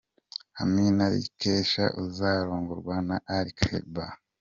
Amina Rikesha uzarongorwa na Ali Kiba .